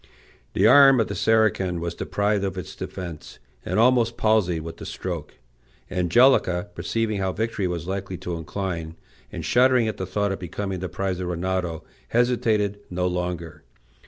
The arm of the Saracen was deprived of its defence, and almost palsied with the stroke. Angelica, perceiving how victory was likely to incline, and shuddering at the thought of becoming the prize of Rinaldo, hesitated no longer.